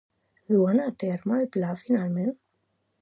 Duen a terme el seu pla finalment?